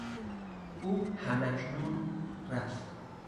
او هم اکنون رفت.